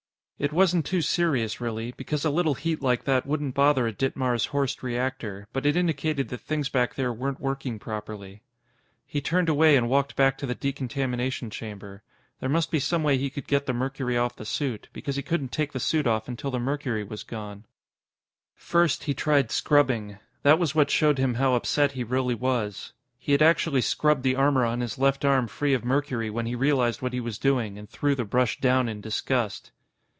It wasn't too serious, really, because a little heat like that wouldn't bother a Ditmars Horst reactor, but it indicated that things back there weren't working properly. He turned away and walked back to the decontamination chamber. There must be some way he could get the mercury off the suit because he couldn't take the suit off until the mercury was gone. First, he tried scrubbing. That was what showed him how upset he really was. He had actually scrubbed the armor on his left arm free of mercury when he realized what he was doing and threw the brush down in disgust.